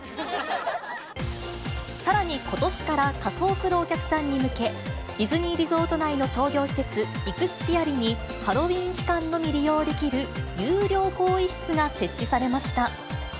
さらにことしから、仮装するお客さんに向け、ディズニーリゾート内の商業施設、イクスピアリに、ハロウィーン期間のみ利用できる有料更衣室が設置されました。